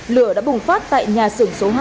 lửa đã bùng phát tại nhà xưởng số hai